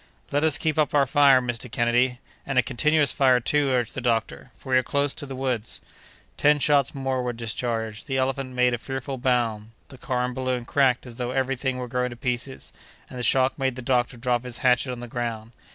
"Let us keep up our fire, Mr. Kennedy." "And a continuous fire, too," urged the doctor, "for we are close on the woods." Ten shots more were discharged. The elephant made a fearful bound; the car and balloon cracked as though every thing were going to pieces, and the shock made the doctor drop his hatchet on the ground.